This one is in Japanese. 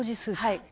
「はい」